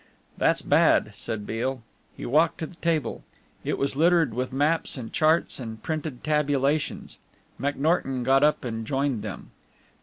"That's bad," said Beale. He walked to the table. It was littered with maps and charts and printed tabulations. McNorton got up and joined them.